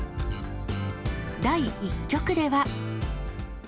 第１局では。